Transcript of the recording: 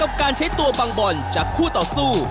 การใช้ตัวบางบอลจากคู่ต่อสู้